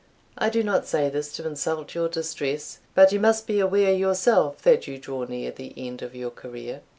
I do not say this to insult your distress; but you must be aware yourself that you draw near the end of your career.